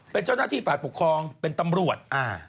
เป็นเจ้าหน้าที่ฝ่ายปกครองเป็นตำรวจ